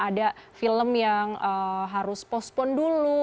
ada film yang harus pospon dulu